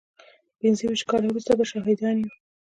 پينځه ويشت کاله وروسته به شاهدان يو.